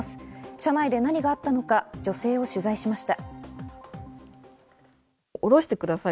車内で何があったのか女性を取材しました。